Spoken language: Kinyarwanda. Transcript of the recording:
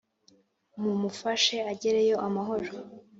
mu mufashe ajyereyo amahoro